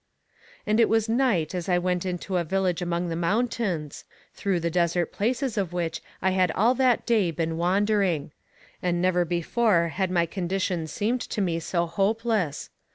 "'And it was night as I went into a village among the mountains, through the desert places of which I had all that day been wandering. And never before had my condition seemed to me so hopeless.